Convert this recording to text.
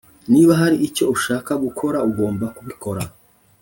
Niba hari icyo ushaka gukora ugomba kubikora